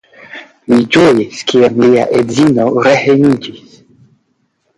Li ĝojis, kiam lia edzino rehejmiĝis.